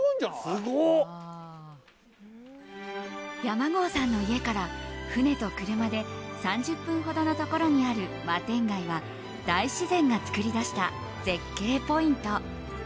山郷さんの家から船と車で３０分ほどのところにある摩天崖は大自然が作り出した絶景ポイント。